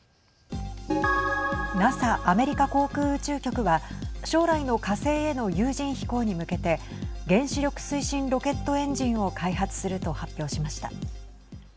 ＮＡＳＡ＝アメリカ航空宇宙局は将来の火星への有人飛行に向けて原子力推進ロケットエンジンを開発すると発表しました。